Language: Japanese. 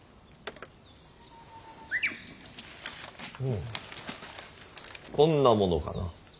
うんこんなものかな。